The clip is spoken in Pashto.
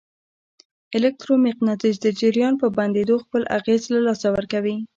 الکترو مقناطیس د جریان په بندېدو خپل اغېز له لاسه ورکوي.